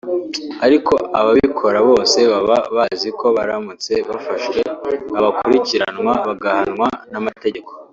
ariko ababikora bose baba bazi ko baramutse bafashwe babakurikiranwa bagahanwa n’amategeko